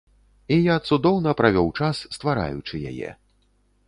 І я цудоўна правёў час, ствараючы яе.